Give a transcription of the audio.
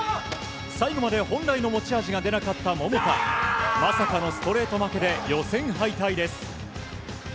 最後まで本来の持ち味が出なかった桃田まさかのストレート負けで予選敗退です。